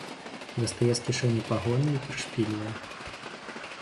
Дастае з кішэні пагоны і прышпільвае.